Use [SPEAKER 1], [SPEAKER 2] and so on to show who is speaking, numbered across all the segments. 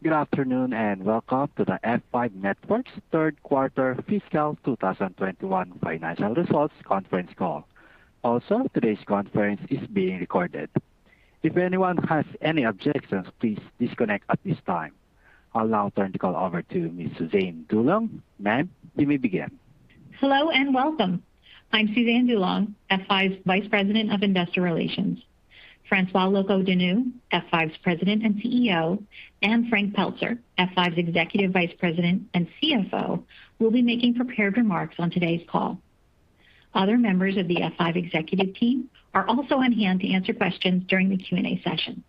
[SPEAKER 1] Good afternoon, welcome to the F5 Networks third quarter fiscal 2021 financial results conference call. Also, today's conference is being recorded. If anyone has any objections, please disconnect at this time. I'll now turn the call over to Ms. Suzanne DuLong. Ma'am, you may begin.
[SPEAKER 2] Hello and welcome. I'm Suzanne DuLong, F5's Vice President of Investor Relations. François Locoh-Donou, F5's President and CEO, and Frank Pelzer, F5's Executive Vice President and CFO, will be making prepared remarks on today's call. Other members of the F5 executive team are also on hand to answer questions during the Q&A session.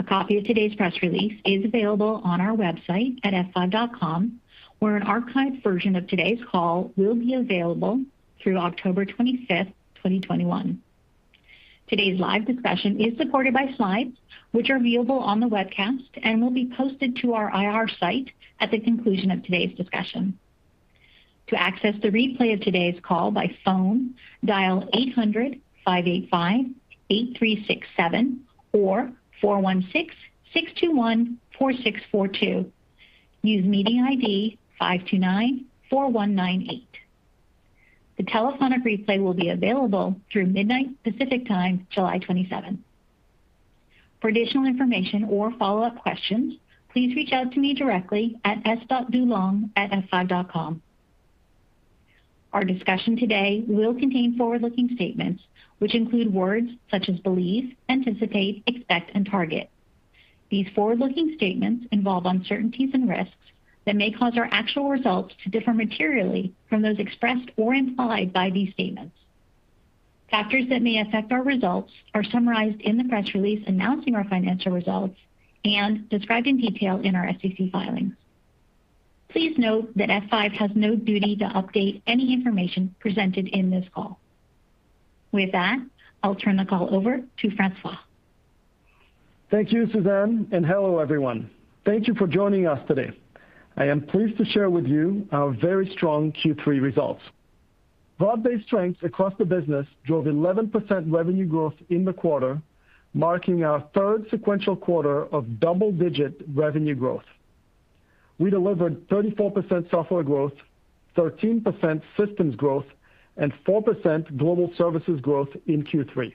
[SPEAKER 2] A copy of today's press release is available on our website at f5.com, where an archived version of today's call will be available through October 25th, 2021. Today's live discussion is supported by slides, which are viewable on the webcast and will be posted to our IR site at the conclusion of today's discussion. The telephonic replay will be available through midnight Pacific Time, July 27th. For additional information or follow-up questions, please reach out to me directly at s.duLong@f5.com. Our discussion today will contain forward-looking statements, which include words such as believe, anticipate, expect, and target. These forward-looking statements involve uncertainties and risks that may cause our actual results to differ materially from those expressed or implied by these statements. Factors that may affect our results are summarized in the press release announcing our financial results and described in detail in our SEC filings. Please note that F5 has no duty to update any information presented in this call. With that, I'll turn the call over to François.
[SPEAKER 3] Thank you, Suzanne, and hello, everyone. Thank you for joining us today. I am pleased to share with you our very strong Q3 results. Broad-based strengths across the business drove 11% revenue growth in the quarter, marking our third sequential quarter of double-digit revenue growth. We delivered 34% software growth, 13% systems growth, and 4% global services growth in Q3.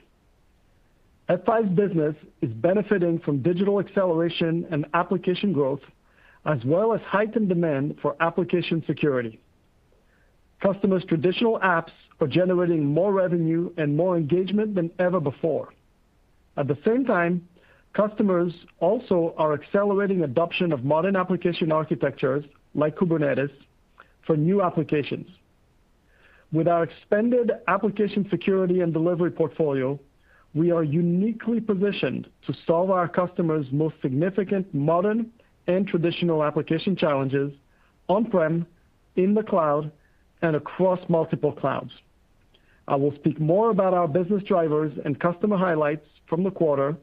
[SPEAKER 3] F5's business is benefiting from digital acceleration and application growth as well as heightened demand for application security. Customers' traditional apps are generating more revenue and more engagement than ever before. At the same time, customers also are accelerating adoption of modern application architectures, like Kubernetes, for new applications. With our expanded application security and delivery portfolio, we are uniquely positioned to solve our customers' most significant modern and traditional application challenges on-prem, in the cloud, and across multiple clouds. I will speak more about our business drivers and customer highlights from the quarter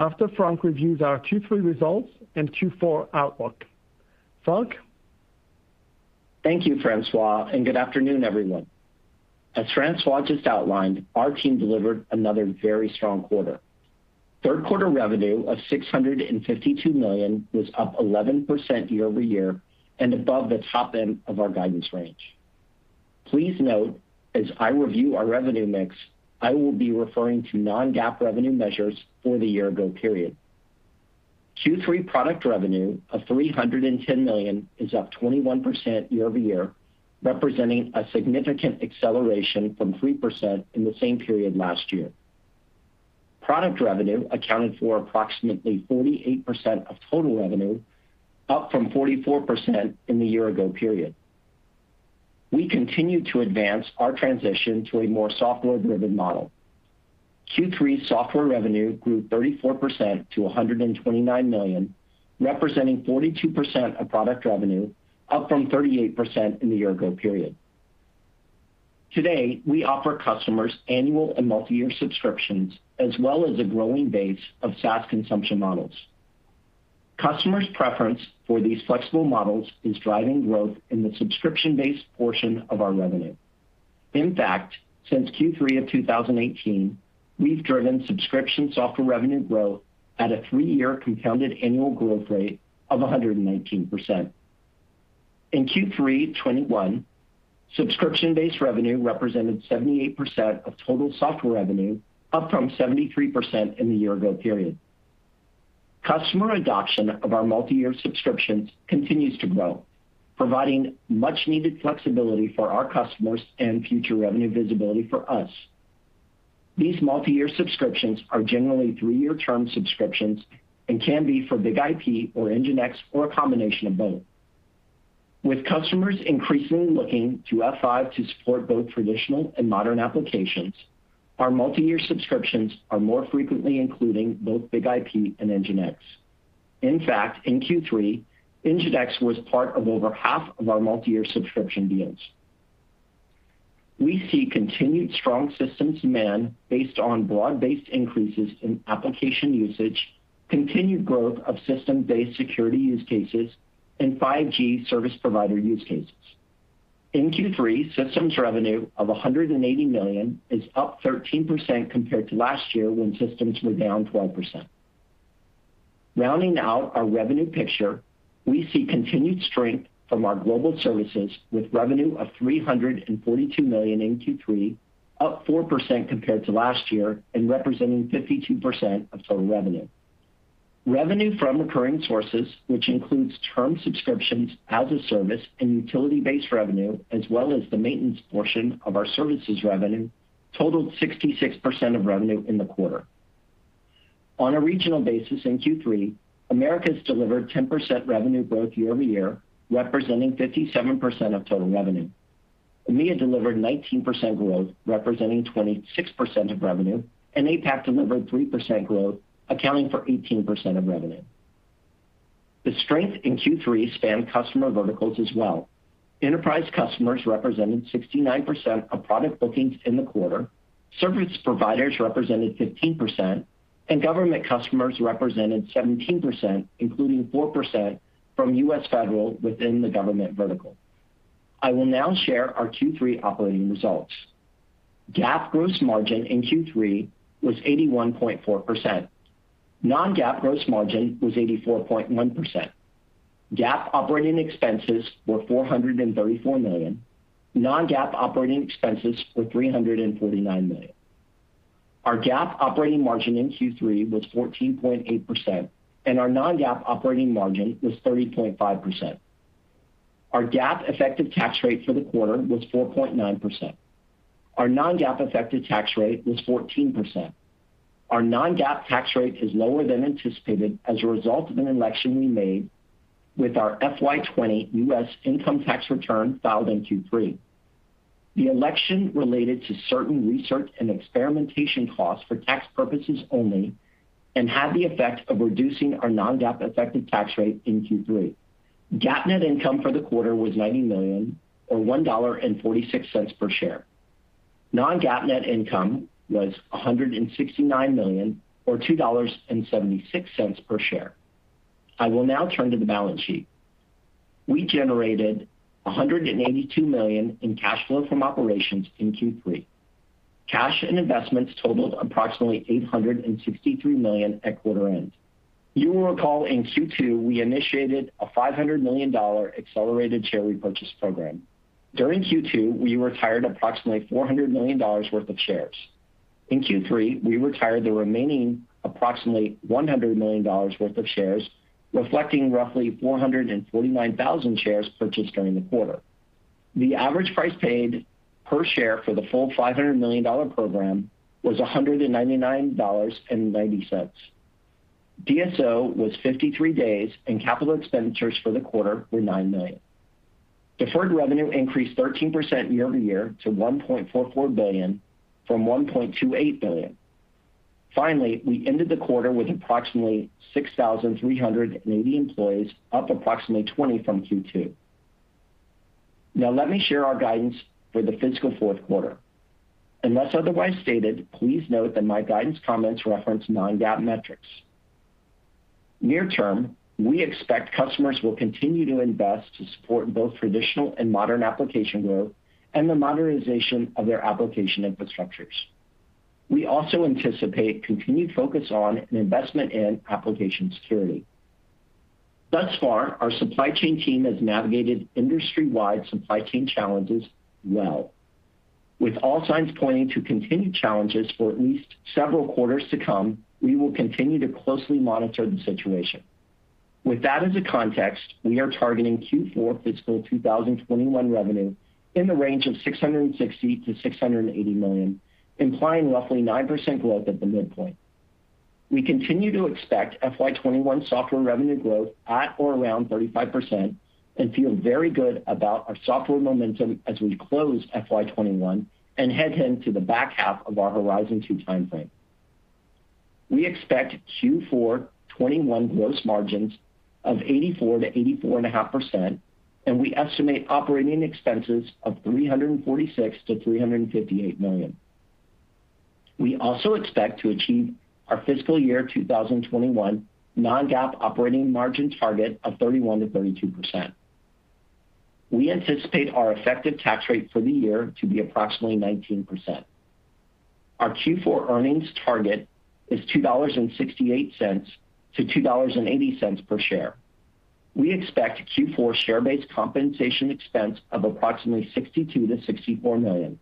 [SPEAKER 3] after Frank reviews our Q3 results and Q4 outlook. Frank?
[SPEAKER 4] Thank you, François, good afternoon, everyone. As François just outlined, our team delivered another very strong quarter. Third-quarter revenue of $652 million was up 11% year-over-year and above the top end of our guidance range. Please note, as I review our revenue mix, I will be referring to non-GAAP revenue measures for the year-ago period. Q3 product revenue of $310 million is up 21% year-over-year, representing a significant acceleration from 3% in the same period last year. Product revenue accounted for approximately 48% of total revenue, up from 44% in the year-ago period. We continue to advance our transition to a more software-driven model. Q3 software revenue grew 34% to $129 million, representing 42% of product revenue, up from 38% in the year-ago period. Today, we offer customers annual and multiyear subscriptions, as well as a growing base of SaaS consumption models. Customers' preference for these flexible models is driving growth in the subscription-based portion of our revenue. In fact, since Q3 of 2018, we've driven subscription software revenue growth at a three-year compounded annual growth rate of 119%. In Q3 2021, subscription-based revenue represented 78% of total software revenue, up from 73% in the year-ago period. Customer adoption of our multiyear subscriptions continues to grow, providing much-needed flexibility for our customers and future revenue visibility for us. These multiyear subscriptions are generally three-year term subscriptions and can be for BIG-IP or NGINX or a combination of both. With customers increasingly looking to F5 to support both traditional and modern applications, our multiyear subscriptions are more frequently including both BIG-IP and NGINX. In fact, in Q3, NGINX was part of over half of our multiyear subscription deals. We see continued strong systems demand based on broad-based increases in application usage, continued growth of system-based security use cases, and 5G service provider use cases. In Q3, systems revenue of $180 million is up 13% compared to last year when systems were down 12%. Rounding out our revenue picture, we see continued strength from our global services with revenue of $342 million in Q3, up 4% compared to last year, and representing 52% of total revenue. Revenue from recurring sources, which includes term subscriptions, as a service, and utility-based revenue, as well as the maintenance portion of our services revenue, totaled 66% of revenue in the quarter. On a regional basis in Q3, Americas delivered 10% revenue growth year-over-year, representing 57% of total revenue. EMEA delivered 19% growth, representing 26% of revenue, and APAC delivered 3% growth, accounting for 18% of revenue. The strength in Q3 spanned customer verticals as well. Enterprise customers represented 69% of product bookings in the quarter, service providers represented 15%, and government customers represented 17%, including 4% from U.S. federal within the government vertical. I will now share our Q3 operating results. GAAP gross margin in Q3 was 81.4%. Non-GAAP gross margin was 84.1%. GAAP operating expenses were $434 million. Non-GAAP operating expenses were $349 million. Our GAAP operating margin in Q3 was 14.8%, and our non-GAAP operating margin was 30.5%. Our GAAP effective tax rate for the quarter was 4.9%. Our non-GAAP effective tax rate was 14%. Our non-GAAP tax rate is lower than anticipated as a result of an election we made with our FY 2020 U.S. income tax return filed in Q3. The election related to certain research and experimentation costs for tax purposes only and had the effect of reducing our non-GAAP effective tax rate in Q3. GAAP net income for the quarter was $90 million, or $1.46 per share. Non-GAAP net income was $169 million, or $2.76 per share. I will now turn to the balance sheet. We generated $182 million in cash flow from operations in Q3. Cash and investments totaled approximately $863 million at quarter end. You will recall in Q2, we initiated a $500 million accelerated share repurchase program. During Q2, we retired approximately $400 million worth of shares. In Q3, we retired the remaining approximately $100 million worth of shares, reflecting roughly 449,000 shares purchased during the quarter. The average price paid per share for the full $500 million program was $199.90. DSO was 53 days, and capital expenditures for the quarter were $9 million. Deferred revenue increased 13% year-over-year to $1.44 billion from $1.28 billion. Finally, we ended the quarter with approximately 6,380 employees, up approximately 20 from Q2. Now let me share our guidance for the fiscal fourth quarter. Unless otherwise stated, please note that my guidance comments reference non-GAAP metrics. Near term, we expect customers will continue to invest to support both traditional and modern application growth and the modernization of their application infrastructures. We also anticipate continued focus on and investment in application security. Thus far, our supply chain team has navigated industry-wide supply chain challenges well. With all signs pointing to continued challenges for at least several quarters to come, we will continue to closely monitor the situation. With that as a context, we are targeting Q4 fiscal 2021 revenue in the range of $660 million-$680 million, implying roughly 9% growth at the midpoint. We continue to expect FY 2021 software revenue growth at or around 35% and feel very good about our software momentum as we close FY 2021 and head into the back half of our Horizon 2 timeframe. We expect Q4 2021 gross margins of 84%-84.5%, and we estimate operating expenses of $346 million-$358 million. We also expect to achieve our fiscal year 2021 non-GAAP operating margin target of 31%-32%. We anticipate our effective tax rate for the year to be approximately 19%. Our Q4 earnings target is $2.68-$2.80 per share. We expect Q4 share-based compensation expense of approximately $62 million-$64 million.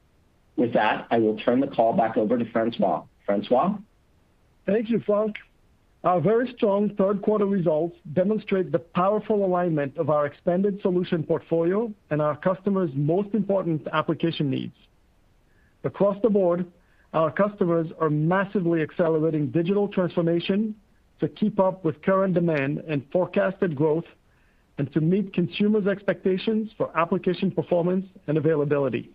[SPEAKER 4] With that, I will turn the call back over to François. François?
[SPEAKER 3] Thank you, Frank. Our very strong third quarter results demonstrate the powerful alignment of our expanded solution portfolio and our customers' most important application needs. Across the board, our customers are massively accelerating digital transformation to keep up with current demand and forecasted growth and to meet consumers' expectations for application performance and availability.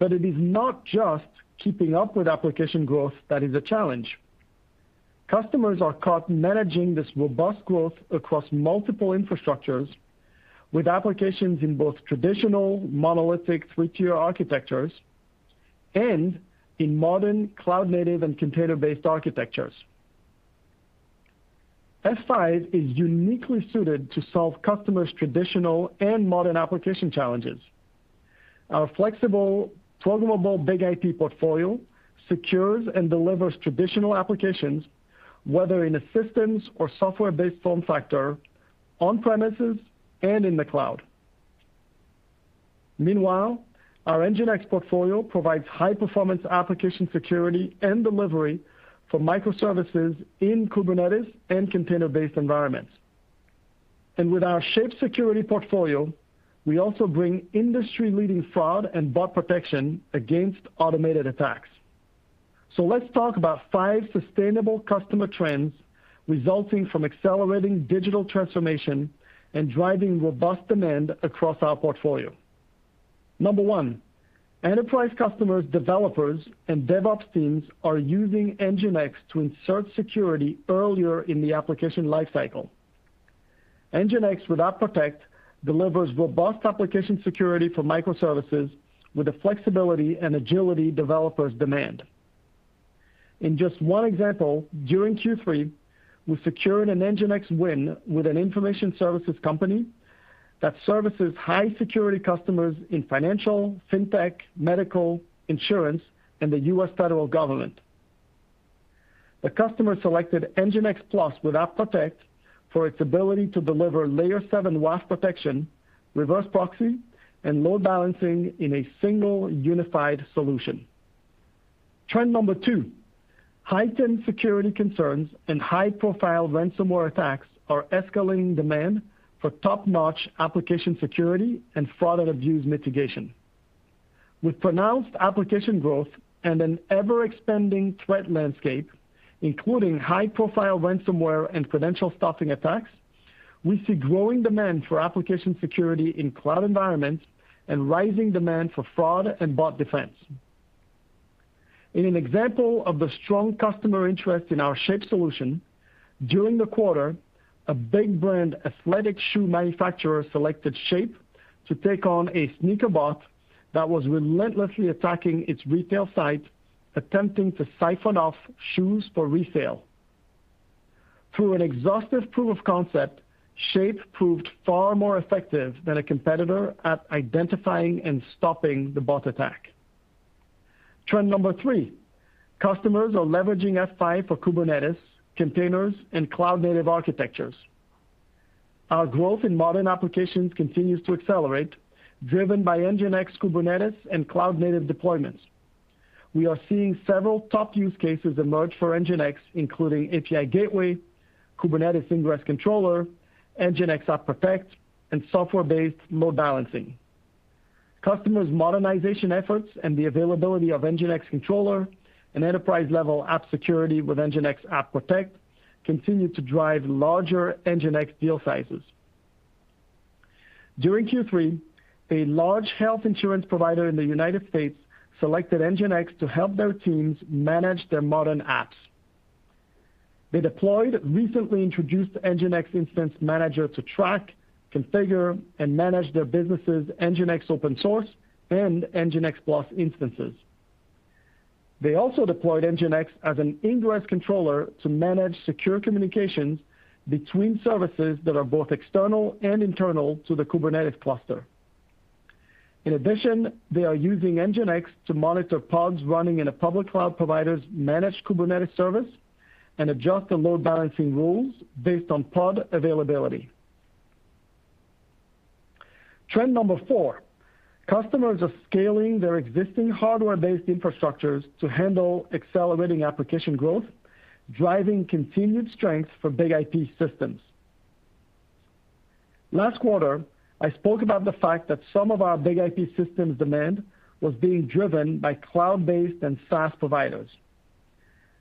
[SPEAKER 3] It is not just keeping up with application growth that is a challenge. Customers are caught managing this robust growth across multiple infrastructures with applications in both traditional monolithic three-tier architectures and in modern cloud-native and container-based architectures. F5 is uniquely suited to solve customers' traditional and modern application challenges. Our flexible, programmable BIG-IP portfolio secures and delivers traditional applications, whether in a systems or software-based form factor, on premises and in the cloud. Meanwhile, our NGINX portfolio provides high-performance application security and delivery for microservices in Kubernetes and container-based environments. With our Shape Security portfolio, we also bring industry-leading fraud and bot protection against automated attacks. Let's talk about five sustainable customer trends resulting from accelerating digital transformation and driving robust demand across our portfolio. Number one, enterprise customers, developers, and DevOps teams are using NGINX to insert security earlier in the application life cycle. NGINX with App Protect delivers robust application security for microservices with the flexibility and agility developers demand. In just one example, during Q3, we secured an NGINX win with an information services company that services high-security customers in financial, fintech, medical, insurance, and the U.S. federal government. The customer selected NGINX Plus with App Protect for its ability to deliver layer 7 WAAP protection, reverse proxy, and load balancing in a single unified solution. Trend number two, heightened security concerns and high-profile ransomware attacks are escalating demand for top-notch application security and fraud and abuse mitigation. With pronounced application growth and an ever-expanding threat landscape, including high-profile ransomware and credential stuffing attacks, we see growing demand for application security in cloud environments and rising demand for fraud and bot defense. In an example of the strong customer interest in our Shape solution, during the quarter, a big brand athletic shoe manufacturer selected Shape to take on a sneaker bot that was relentlessly attacking its retail site, attempting to siphon off shoes for resale. Through an exhaustive proof of concept, Shape proved far more effective than a competitor at identifying and stopping the bot attack. Trend number three, customers are leveraging F5 for Kubernetes, containers, and cloud-native architectures. Our growth in modern applications continues to accelerate, driven by NGINX Kubernetes and cloud-native deployments. We are seeing several top use cases emerge for NGINX, including API gateway, Kubernetes ingress controller, NGINX App Protect, and software-based load balancing. Customers' modernization efforts and the availability of NGINX controller and enterprise-level app security with NGINX App Protect continue to drive larger NGINX deal sizes. During Q3, a large health insurance provider in the United States selected NGINX to help their teams manage their modern apps. They deployed recently introduced NGINX Instance Manager to track, configure, and manage their businesses' NGINX Open Source and NGINX Plus instances. They also deployed NGINX as an ingress controller to manage secure communications between services that are both external and internal to the Kubernetes cluster. In addition, they are using NGINX to monitor pods running in a public cloud provider's managed Kubernetes service and adjust the load balancing rules based on pod availability. Trend number four, customers are scaling their existing hardware-based infrastructures to handle accelerating application growth, driving continued strength for BIG-IP systems. Last quarter, I spoke about the fact that some of our BIG-IP systems demand was being driven by cloud-based and SaaS providers.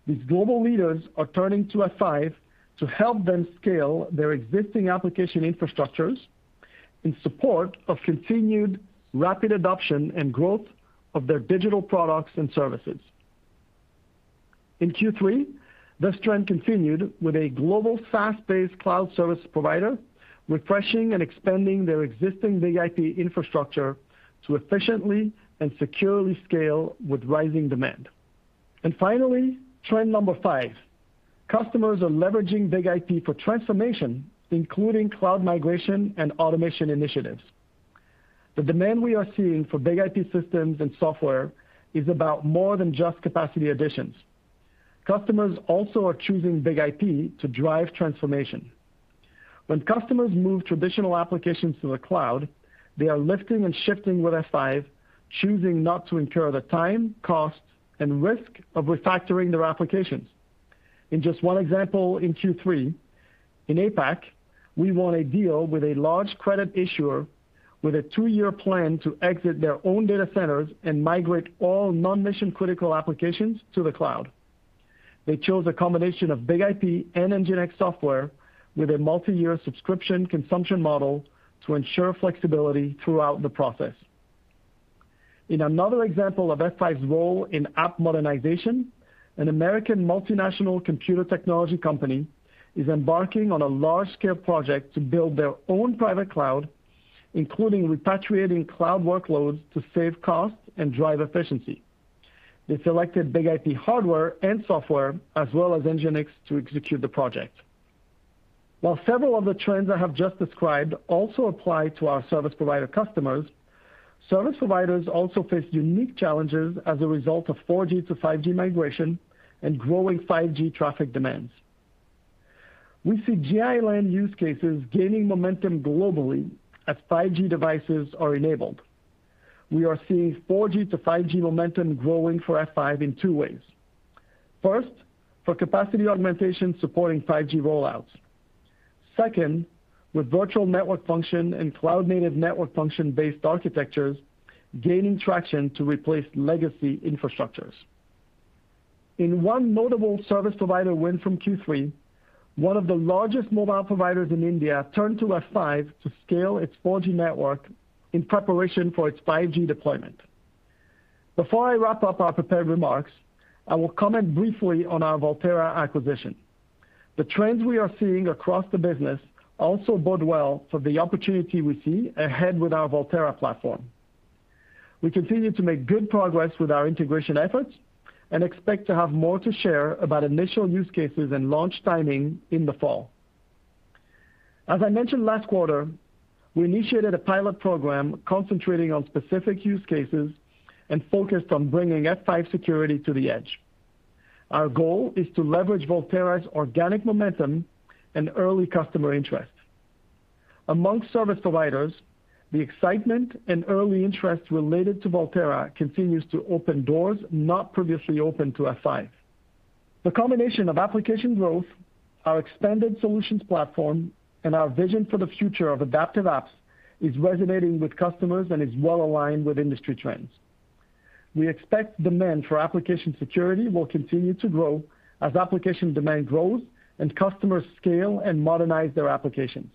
[SPEAKER 3] These global leaders are turning to F5 to help them scale their existing application infrastructures in support of continued rapid adoption and growth of their digital products and services. In Q3, this trend continued with a global SaaS-based cloud service provider refreshing and expanding their existing BIG-IP infrastructure to efficiently and securely scale with rising demand. Finally, trend number five, customers are leveraging BIG-IP for transformation, including cloud migration and automation initiatives. The demand we are seeing for BIG-IP systems and software is about more than just capacity additions. Customers also are choosing BIG-IP to drive transformation. When customers move traditional applications to the cloud, they are lifting and shifting with F5, choosing not to incur the time, cost, and risk of refactoring their applications. In just one example in Q3, in APAC, we won a deal with a large credit issuer with a two-year plan to exit their own data centers and migrate all non-mission critical applications to the cloud. They chose a combination of BIG-IP and NGINX software with a multi-year subscription consumption model to ensure flexibility throughout the process. In another example of F5's role in app modernization, an American multinational computer technology company is embarking on a large-scale project to build their own private cloud, including repatriating cloud workloads to save costs and drive efficiency. They selected BIG-IP hardware and software as well as NGINX to execute the project. While several of the trends I have just described also apply to our service provider customers, service providers also face unique challenges as a result of 4G to 5G migration and growing 5G traffic demands. We see Gi LAN use cases gaining momentum globally as 5G devices are enabled. We are seeing 4G to 5G momentum growing for F5 in two ways. First, for capacity augmentation supporting 5G rollouts. Second, with virtual network function and cloud-native network function-based architectures gaining traction to replace legacy infrastructures. In one notable service provider win from Q3, one of the largest mobile providers in India turned to F5 to scale its 4G network in preparation for its 5G deployment. Before I wrap up our prepared remarks, I will comment briefly on our Volterra acquisition. The trends we are seeing across the business also bode well for the opportunity we see ahead with our Volterra platform. We continue to make good progress with our integration efforts and expect to have more to share about initial use cases and launch timing in the fall. As I mentioned last quarter, I initiated a pilot program concentrating on specific use cases and focused on bringing F5 security to the edge. Our goal is to leverage Volterra's organic momentum and early customer interest. Among service providers, the excitement and early interest related to Volterra continues to open doors not previously open to F5. The combination of application growth, our expanded solutions platform, and our vision for the future of adaptive apps is resonating with customers and is well-aligned with industry trends. We expect demand for application security will continue to grow as application demand grows and customers scale and modernize their applications.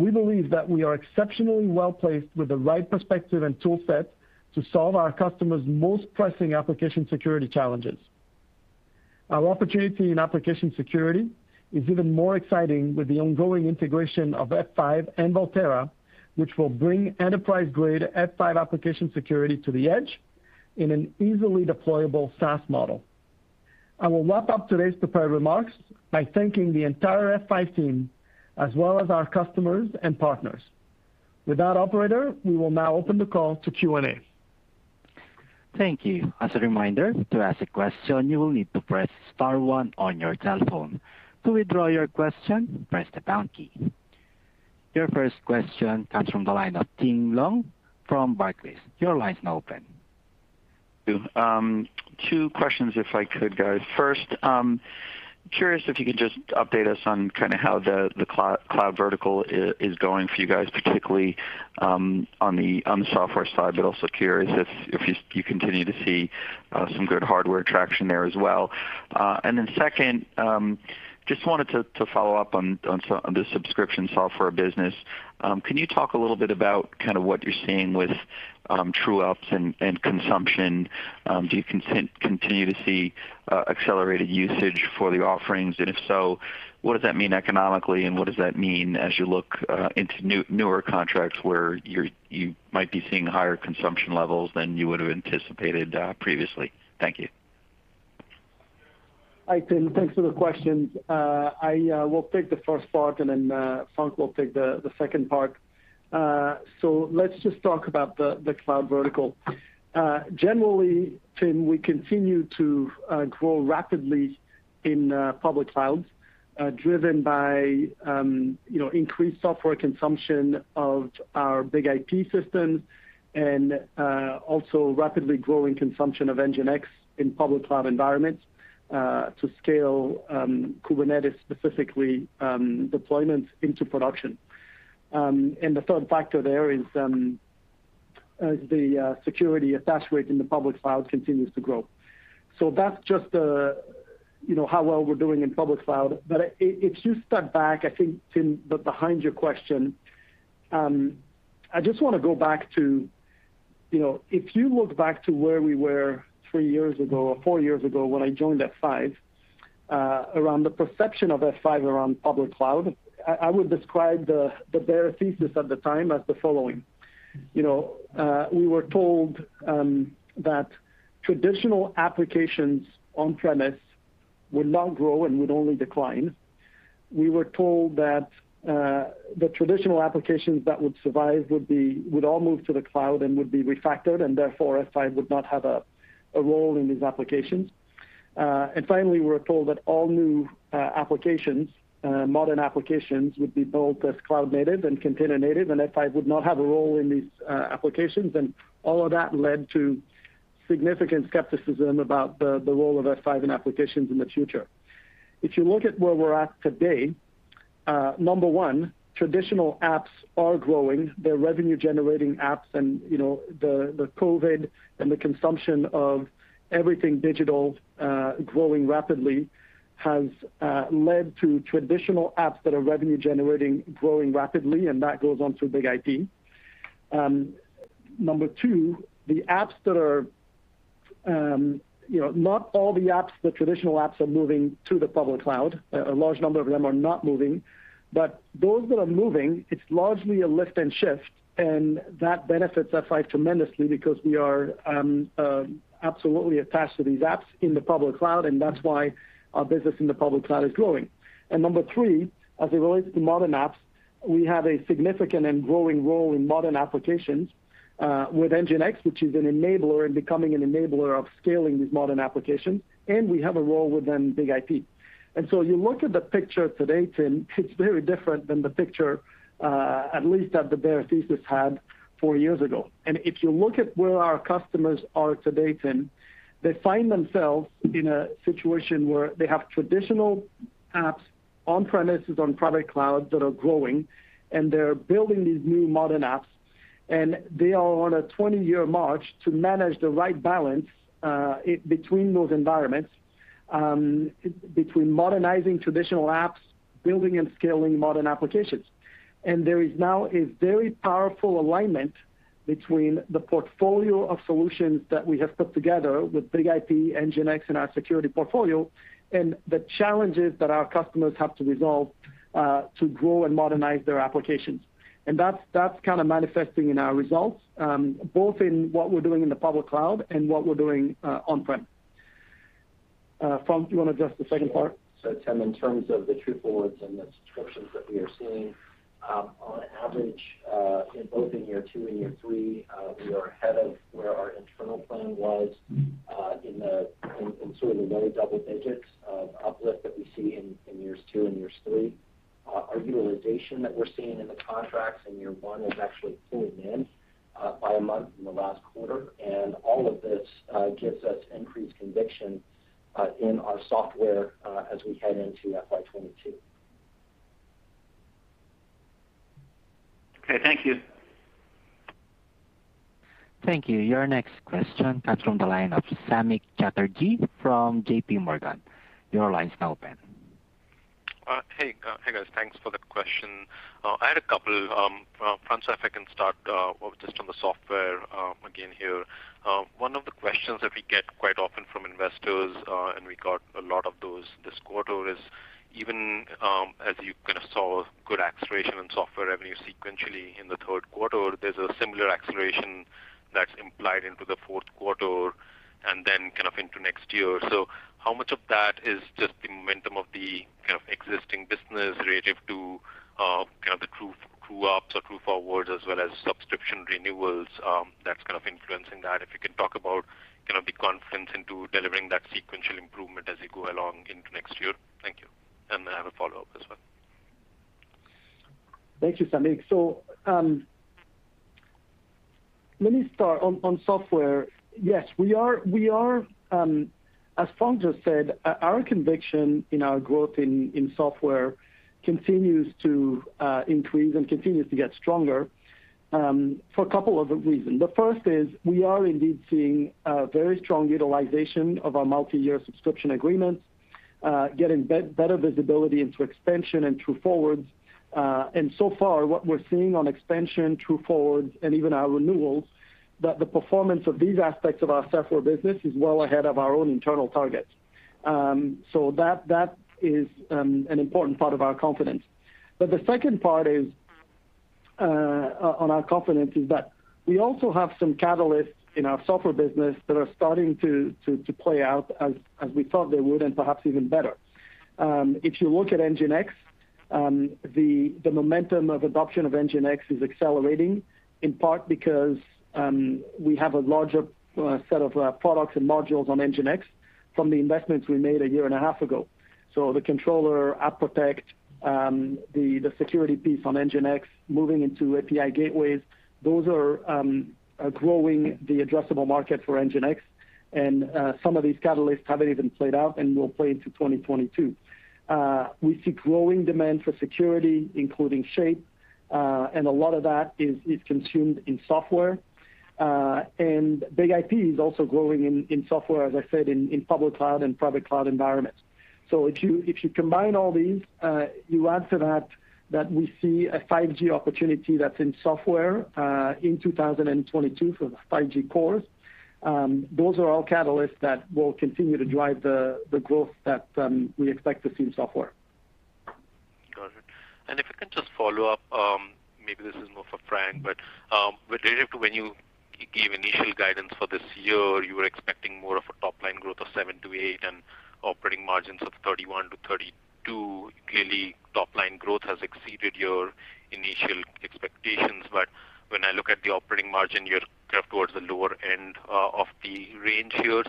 [SPEAKER 3] We believe that we are exceptionally well-placed with the right perspective and tool set to solve our customers' most pressing application security challenges. Our opportunity in application security is even more exciting with the ongoing integration of F5 and Volterra, which will bring enterprise-grade F5 application security to the edge in an easily deployable SaaS model. I will wrap up today's prepared remarks by thanking the entire F5 team, as well as our customers and partners. With that, operator, we will now open the call to Q&A.
[SPEAKER 1] Thank you. As a reminder, to ask a question, you will need to press star one on your telephone. To withdraw your question, press the pound key. Your first question comes from the line of Tim Long from Barclays. Your line's now open.
[SPEAKER 5] Two questions if I could, guys. First, curious if you could just update us on kind of how the cloud vertical is going for you guys, particularly on the software side, but also curious if you continue to see some good hardware traction there as well. Second, just wanted to follow up on the subscription software business. Can you talk a little bit about kind of what you're seeing with true ups and consumption? Do you continue to see accelerated usage for the offerings? If so, what does that mean economically and what does that mean as you look into newer contracts where you might be seeing higher consumption levels than you would have anticipated previously? Thank you.
[SPEAKER 3] Hi, Tim. Thanks for the questions. I will take the first part and then Frank will take the second part. Let's just talk about the cloud vertical. Generally, Tim, we continue to grow rapidly in public clouds, driven by increased software consumption of our BIG-IP systems and also rapidly growing consumption of NGINX in public cloud environments to scale Kubernetes, specifically deployments into production. The third factor there is the security attach rate in the public cloud continues to grow. That's just how well we're doing in public cloud. If you step back, I think, Tim, behind your question, I just want to go back to if you look back to where we were three years ago or four years ago when I joined F5, around the perception of F5 around public cloud, I would describe the bear thesis at the time as the following. We were told that traditional applications on premise would not grow and would only decline. We were told that the traditional applications that would survive would all move to the cloud and would be refactored, therefore F5 would not have a role in these applications. Finally, we were told that all new applications, modern applications would be built as cloud-native and container-native, F5 would not have a role in these applications. All of that led to significant skepticism about the role of F5 in applications in the future. If you look at where we're at today, number one, traditional apps are growing. They're revenue-generating apps, the COVID and the consumption of everything digital growing rapidly has led to traditional apps that are revenue-generating growing rapidly, that goes on to BIG-IP. Number two, not all the apps, the traditional apps are moving to the public cloud. A large number of them are not moving. Those that are moving, it's largely a lift and shift, and that benefits F5 tremendously because we are absolutely attached to these apps in the public cloud, and that's why our business in the public cloud is growing. Number three, as it relates to modern apps, we have a significant and growing role in modern applications, with NGINX, which is an enabler and becoming an enabler of scaling these modern applications. We have a role within BIG-IP. You look at the picture today, Tim, it's very different than the picture, at least that the bear thesis had four years ago. If you look at where our customers are today, Tim, they find themselves in a situation where they have traditional apps on-premises, on private clouds that are growing, they're building these new modern apps, and they are on a 20-year march to manage the right balance, between those environments, between modernizing traditional apps, building and scaling modern applications. There is now a very powerful alignment between the portfolio of solutions that we have put together with BIG-IP, NGINX, and our security portfolio, and the challenges that our customers have to resolve, to grow and modernize their applications. That's manifesting in our results, both in what we're doing in the public cloud and what we're doing on-prem. Frank, do you want to address the second part?
[SPEAKER 4] Sure. Tim, in terms of the true forwards and the subscriptions that we are seeing, on average, both in year two and year three, we are ahead of where our internal plan was, in sort of the low double digits of uplift that we see in years two and years three. Our utilization that we're seeing in the contracts in year one is actually pulling in by a month from the last quarter. All of this gives us increased conviction in our software as we head into FY 2022.
[SPEAKER 5] Okay. Thank you.
[SPEAKER 1] Thank you. Your next question comes from the line of Samik Chatterjee from JPMorgan. Your line's now open.
[SPEAKER 6] Hey, guys. Thanks for the question. I had a couple. Frank, if I can start, just on the software again here. One of the questions that we get quite often from investors, and we got a lot of those this quarter, is even as you kind of saw good acceleration in software revenue sequentially in the third quarter, there's a similar acceleration that's implied into the fourth quarter and then into next year. How much of that is just the momentum of the existing business relative to the true ups or true forwards as well as subscription renewals that's kind of influencing that? If you can talk about the confidence into delivering that sequential improvement as you go along into next year. Thank you. I have a follow-up as well.
[SPEAKER 3] Thank you, Samik. Let me start on software. Yes, as Frank Pelzer just said, our conviction in our growth in software continues to increase and continues to get stronger, for a couple of reasons. The first is we are indeed seeing a very strong utilization of our multi-year subscription agreements, getting better visibility into expansion and true forwards. So far, what we're seeing on expansion, true forwards, and even our renewals, that the performance of these aspects of our software business is well ahead of our own internal targets. That is an important part of our confidence. The second part on our confidence is that we also have some catalysts in our software business that are starting to play out as we thought they would, and perhaps even better. If you look at NGINX, the momentum of adoption of NGINX is accelerating, in part because we have a larger set of products and modules on NGINX from the investments we made a year and a half ago. The controller, App Protect, the security piece on NGINX, moving into API gateways, those are growing the addressable market for NGINX. Some of these catalysts haven't even played out and will play into 2022. We see growing demand for security, including Shape. A lot of that is consumed in software. BIG-IP is also growing in software, as I said, in public cloud and private cloud environments. If you combine all these, you add to that we see a 5G opportunity that's in software, in 2022 for the 5G cores. Those are all catalysts that will continue to drive the growth that we expect to see in software.
[SPEAKER 6] Got it. If I can just follow up, maybe this is more for Frank, but relative to when you gave initial guidance for this year, you were expecting more of a top-line growth of 7%-8% and operating margins of 31%-32%. Clearly, top-line growth has exceeded your initial expectations, when I look at the operating margin, you're towards the lower end of the range here.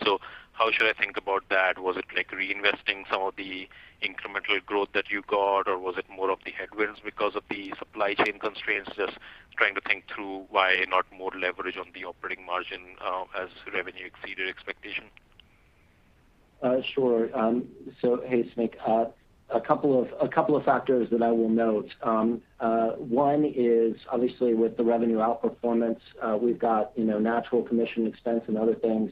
[SPEAKER 6] How should I think about that? Was it like reinvesting some of the incremental growth that you got, or was it more of the headwinds because of the supply chain constraints? Just trying to think through why not more leverage on the operating margin as revenue exceeded expectation.
[SPEAKER 4] Sure. Hey, Samik. A couple of factors that I will note. 1 is obviously with the revenue outperformance, we've got natural commission expense and other things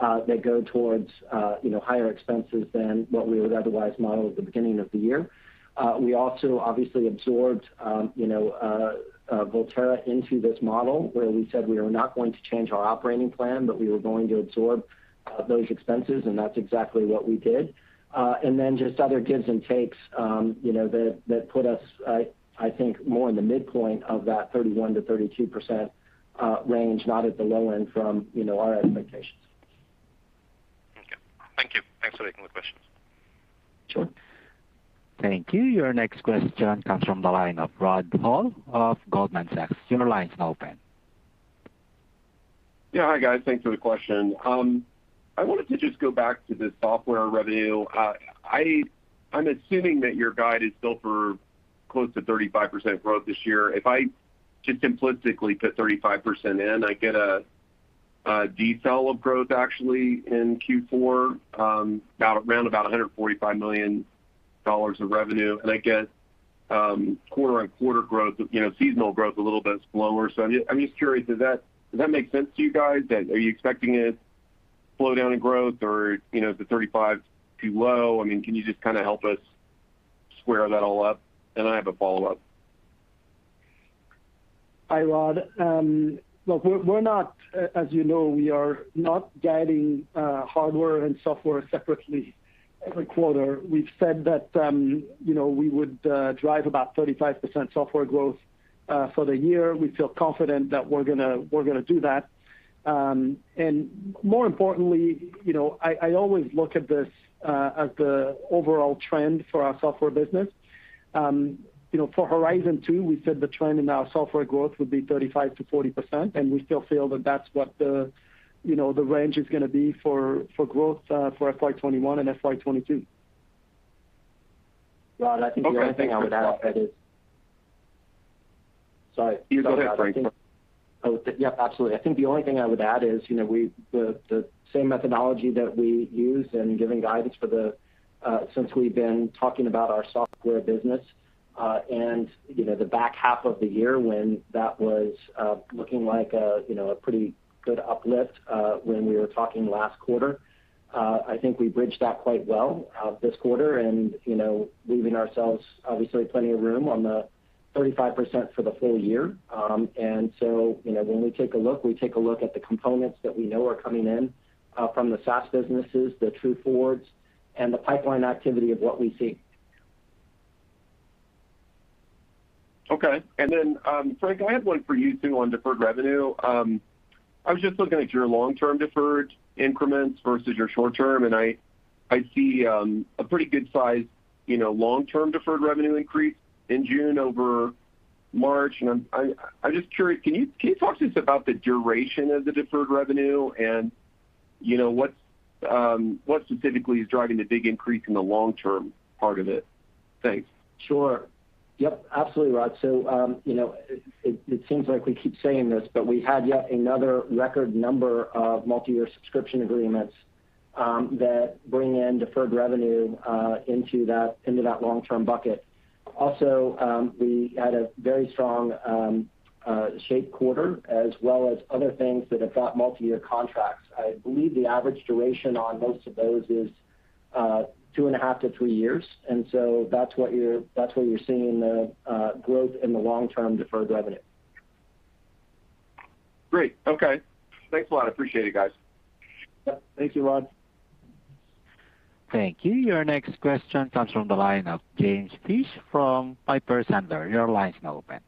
[SPEAKER 4] that go towards higher expenses than what we would otherwise model at the beginning of the year. We also obviously absorbed Volterra into this model, where we said we were not going to change our operating plan, but we were going to absorb those expenses, and that's exactly what we did. Then just other gives and takes that put us, I think more in the midpoint of that 31%-32% range, not at the low end from our expectations. Okay. Thank you. Thanks for taking the questions.
[SPEAKER 3] Sure.
[SPEAKER 1] Thank you. Your next question comes from the line of Rod Hall of Goldman Sachs.
[SPEAKER 7] Hi, guys. Thanks for the question. I wanted to just go back to the software revenue. I'm assuming that your guide is still for close to 35% growth this year. If I just simplistically put 35% in, I get a decel of growth actually in Q4, around about $145 million of revenue, and I get quarter-on-quarter growth, seasonal growth a little bit slower. I'm just curious, does that make sense to you guys? Are you expecting a slowdown in growth or is the 35% too low? Can you just kind of help us square that all up? I have a follow-up.
[SPEAKER 3] Hi, Rod. Look, as you know, we are not guiding hardware and software separately every quarter. We've said that we would drive about 35% software growth for the year. We feel confident that we're going to do that. More importantly, I always look at this as the overall trend for our software business. For Horizon 2, we said the trend in our software growth would be 35%-40%, and we still feel that that's what the range is going to be for growth for FY 2021 and FY 2022.
[SPEAKER 4] Rod, I think the only thing I would add.
[SPEAKER 7] Okay, thanks.
[SPEAKER 4] Sorry.
[SPEAKER 7] You go ahead, Frank.
[SPEAKER 4] Yep, absolutely. I think the only thing I would add is, the same methodology that we used in giving guidance since we've been talking about our software business, and the back half of the year when that was looking like a pretty good uplift when we were talking last quarter. I think we bridged that quite well this quarter, leaving ourselves obviously plenty of room on the 35% for the full year. When we take a look, we take a look at the components that we know are coming in from the SaaS businesses, the true forwards, and the pipeline activity of what we see.
[SPEAKER 7] Okay. Frank, I have one for you too on deferred revenue. I was just looking at your long-term deferred increments versus your short-term, and I see a pretty good size long-term deferred revenue increase in June over March, and I'm just curious, can you talk to us about the duration of the deferred revenue, and what specifically is driving the big increase in the long-term part of it? Thanks.
[SPEAKER 4] Absolutely, Rod. It seems like we keep saying this, but we had yet another record number of multi-year subscription agreements that bring in deferred revenue into that long-term bucket. Also, we had a very strong Shape quarter, as well as other things that have got multi-year contracts. I believe the average duration on most of those is two and a half to three years, that's what you're seeing in the growth in the long-term deferred revenue.
[SPEAKER 7] Great. Okay. Thanks a lot. I appreciate it, guys.
[SPEAKER 3] Yep. Thank you, Rod.
[SPEAKER 1] Thank you. Your next question comes from the line of James Fish from Piper Sandler. Your line is now open.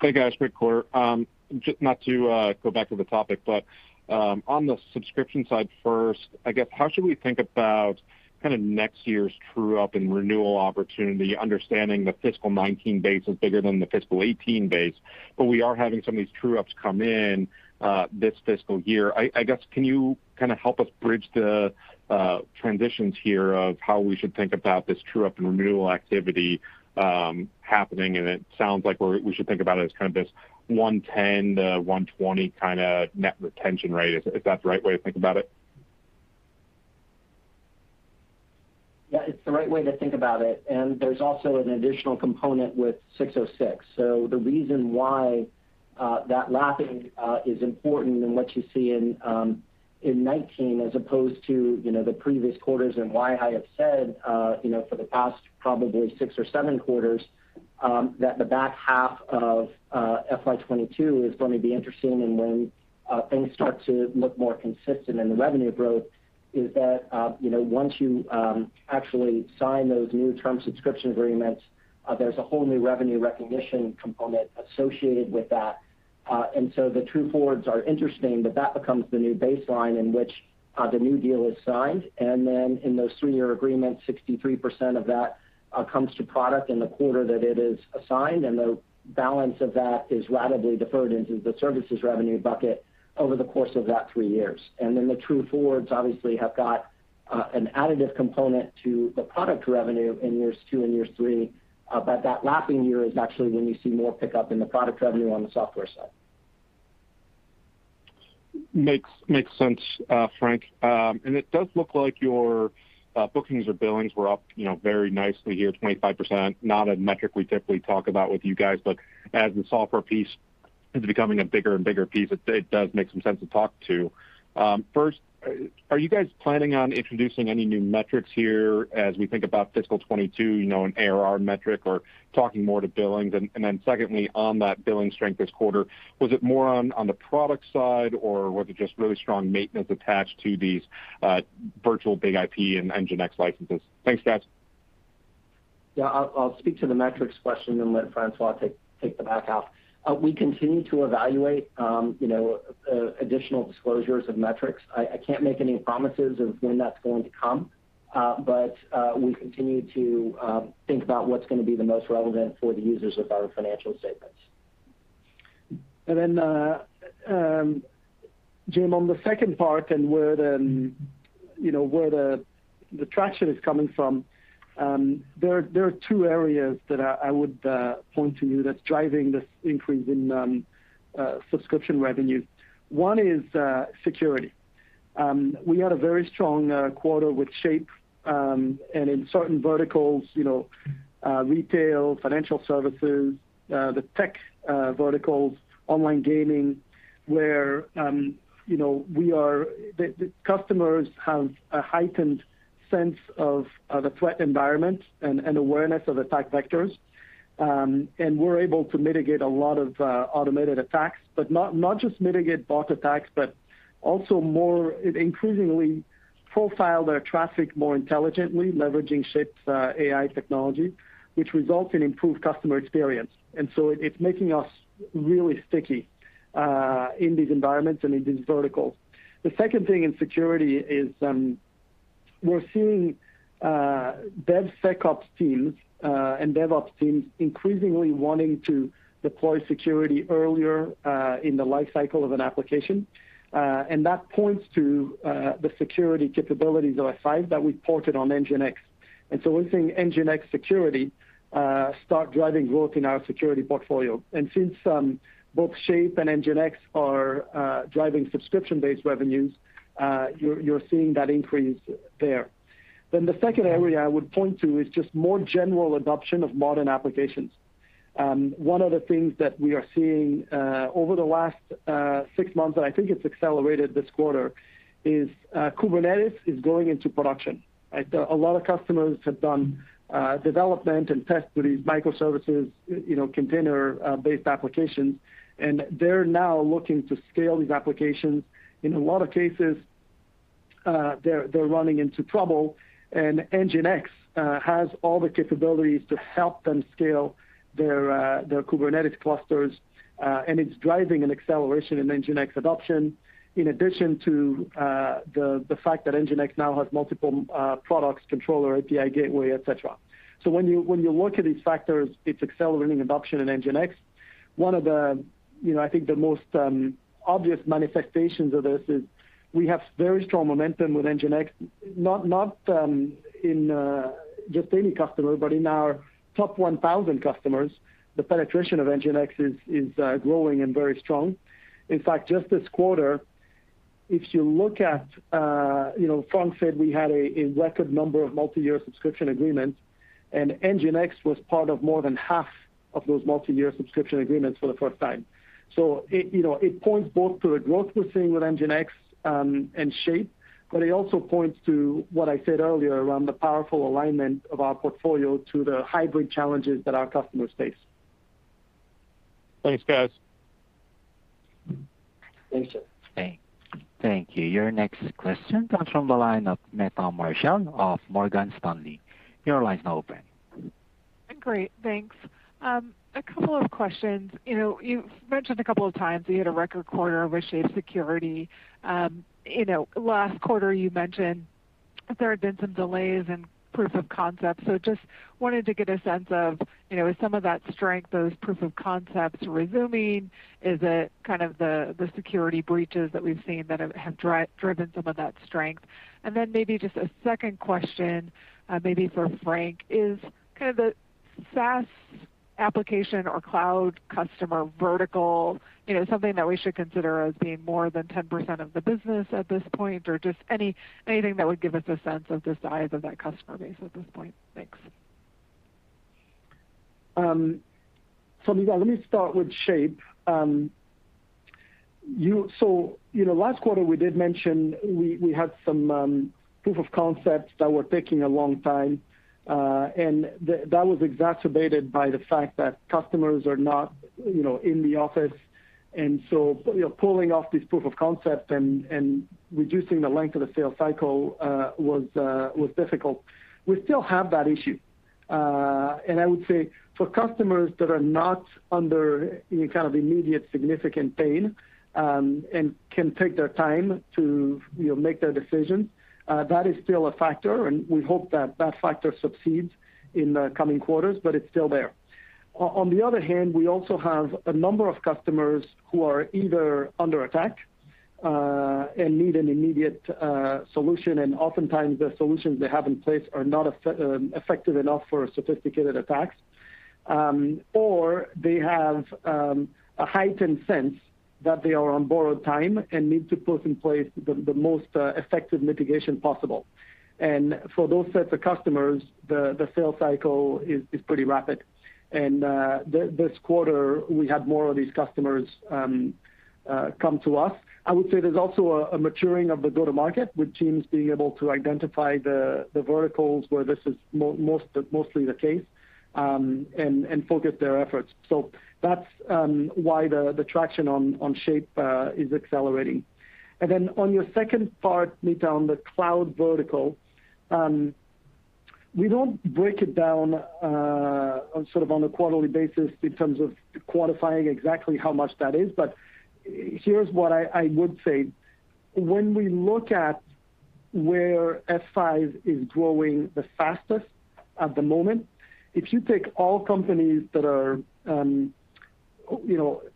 [SPEAKER 8] Hey, guys, great quarter. Not to go back to the topic, on the subscription side first, I guess, how should we think about next year's true-up and renewal opportunity, understanding the fiscal 2019 base is bigger than the fiscal 2018 base, but we are having some of these true-ups come in this fiscal year. I guess, can you help us bridge the transitions here of how we should think about this true-up and renewal activity happening, and it sounds like we should think about it as kind of this 110%-120% net retention rate. Is that the right way to think about it?
[SPEAKER 4] It's the right way to think about it, and there's also an additional component with 606. The reason why that timing is important in what you see in 2019 as opposed to the previous quarters and why I have said for the past probably six or seven quarters that the back half of FY 2022 is going to be interesting and when things start to look more consistent in the revenue growth is that once you actually sign those new term subscription agreements, there's a whole new revenue recognition component associated with that. The true forwards are interesting, but that becomes the new baseline in which the new deal is signed. In those three-year agreements, 63% of that comes to product in the quarter that it is assigned, and the balance of that is ratably deferred into the services revenue bucket over the course of that three years. The true forwards obviously have got an additive component to the product revenue in years two and years three, but that latter year is actually when you see more pickup in the product revenue on the software side.
[SPEAKER 8] Makes sense, Frank. It does look like your bookings or billings were up very nicely here, 25%. Not a metric we typically talk about with you guys, but as the software piece is becoming a bigger and bigger piece, it does make some sense to talk to. First, are you guys planning on introducing any new metrics here as we think about FY 2022, an ARR metric or talking more to billings? Then secondly, on that billing strength this quarter, was it more on the product side, or was it just really strong maintenance attached to these virtual BIG-IP and NGINX licenses? Thanks, guys.
[SPEAKER 4] Yeah, I'll speak to the metrics question and let François take the back half. We continue to evaluate additional disclosures of metrics. I can't make any promises of when that's going to come, but we continue to think about what's going to be the most relevant for the users of our financial statements.
[SPEAKER 3] Jim, on the second part and where the traction is coming from, there are two areas that I would point to you that's driving this increase in subscription revenue. One is security. We had a very strong quarter with Shape, and in certain verticals, retail, financial services, the tech verticals, online gaming, where the customers have a heightened sense of the threat environment and awareness of attack vectors. We're able to mitigate a lot of automated attacks. Not just mitigate bot attacks, but also more, it increasingly profiled our traffic more intelligently, leveraging Shape's AI technology, which results in improved customer experience. It's making us really sticky in these environments and in these verticals. The second thing in security is we're seeing DevSecOps teams and DevOps teams increasingly wanting to deploy security earlier in the life cycle of an application. That points to the security capabilities of F5 that we ported on NGINX. So we're seeing NGINX security start driving growth in our security portfolio. Since both Shape and NGINX are driving subscription-based revenues, you're seeing that increase there. The second area I would point to is just more general adoption of modern applications. One of the things that we are seeing over the last six months, and I think it's accelerated this quarter, is Kubernetes is going into production, right? A lot of customers have done development and tests with these microservices container-based applications, and they're now looking to scale these applications. In a lot of cases, they're running into trouble, and NGINX has all the capabilities to help them scale their Kubernetes clusters. It's driving an acceleration in NGINX adoption, in addition to the fact that NGINX now has multiple products, controller, API gateway, et cetera. When you look at these factors, it's accelerating adoption in NGINX. One of I think the most obvious manifestations of this is we have very strong momentum with NGINX, not in just any customer, but in our top 1,000 customers, the penetration of NGINX is growing and very strong. In fact, just this quarter, if you look at, Frank said we had a record number of multi-year subscription agreements, and NGINX was part of more than half of those multi-year subscription agreements for the first time. It points both to the growth we're seeing with NGINX and Shape, but it also points to what I said earlier around the powerful alignment of our portfolio to the hybrid challenges that our customers face.
[SPEAKER 8] Thanks, guys.
[SPEAKER 4] Thanks.
[SPEAKER 1] Thank you. Your next question comes from the line of Meta Marshall of Morgan Stanley. Your line is now open.
[SPEAKER 9] Great, thanks. A couple of questions. You've mentioned a couple of times you had a record quarter with Shape Security. Last quarter you mentioned that there had been some delays in proof of concept. Just wanted to get a sense of, is some of that strength, those proof of concepts resuming? Is it kind of the security breaches that we've seen that have driven some of that strength? Maybe just a second question maybe for Frank, is kind of the SaaS application or cloud customer vertical something that we should consider as being more than 10% of the business at this point? Just anything that would give us a sense of the size of that customer base at this point. Thanks.
[SPEAKER 3] Meta, let me start with Shape Security. Last quarter, we did mention we had some proof of concepts that were taking a long time, and that was exacerbated by the fact that customers are not in the office. Pulling off this proof of concept and reducing the length of the sales cycle was difficult. We still have that issue. I would say for customers that are not under any kind of immediate significant pain, and can take their time to make their decision, that is still a factor, and we hope that that factor subsides in the coming quarters, but it's still there. On the other hand, we also have a number of customers who are either under attack, and need an immediate solution, and oftentimes the solutions they have in place are not effective enough for sophisticated attacks. They have a heightened sense that they are on borrowed time and need to put in place the most effective mitigation possible. For those sets of customers, the sale cycle is pretty rapid. This quarter, we had more of these customers come to us. I would say there's also a maturing of the go-to market, with teams being able to identify the verticals where this is mostly the case. Focus their efforts. That's why the traction on Shape is accelerating. On your second part, Amit, on the cloud vertical, we don't break it down on a quarterly basis in terms of quantifying exactly how much that is, but here's what I would say. When we look at where F5 is growing the fastest at the moment, if you take all companies that